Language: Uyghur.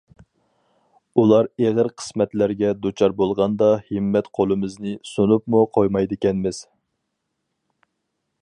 ئۇلار ئېغىر قىسمەتلەرگە دۇچار بولغاندا ھىممەت قولىمىزنى سۇنۇپمۇ قويمايدىكەنمىز.